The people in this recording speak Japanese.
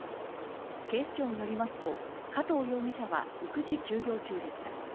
警視庁によりますと加藤容疑者は育児休業中でした。